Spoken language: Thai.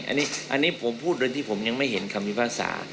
อันนี้ผมพูดโดยที่ผมยังไม่เห็นคำพิพากษา